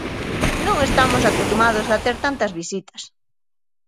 Non estamos acostumados a ter tantas visitas.